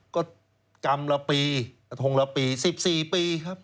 ก็กรรมละปีกระทงละปี๑๔ปีครับ